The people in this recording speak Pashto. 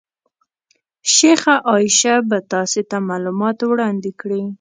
شیخه عایشه به تاسې ته معلومات وړاندې کړي.